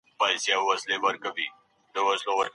خر 🫏